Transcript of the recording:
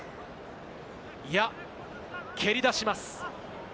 いや、蹴り出します。